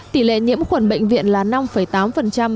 tỷ lệ nhiễm khuẩn bệnh viện là năm tám